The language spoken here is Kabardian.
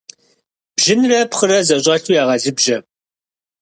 Бжьынрэ пхъырэ зэщӀэлъу ягъэлыбжьэ.